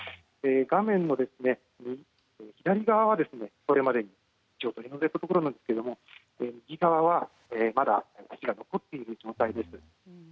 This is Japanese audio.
画面の左側は、これまで取り出されたところなんですが右側は、まだ土が残っている状態です。